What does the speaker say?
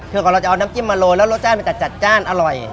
คือก่อนเราจะเอาน้ำจิ้มมาโรยแล้วรสชาติมันจะจัดจ้านอร่อย